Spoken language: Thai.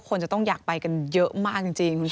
คนจะต้องอยากไปกันเยอะมากจริง